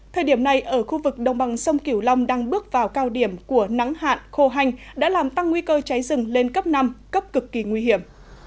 thời điểm này ở khu vực đồng bằng sông kiểu long đang bước vào cao điểm của nắng hạn khô hành đã làm tăng nguy cơ cháy rừng lên cấp năm cấp cực kỳ nguy hiểm